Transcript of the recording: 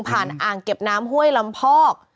อ่างเก็บน้ำห้วยลำพอก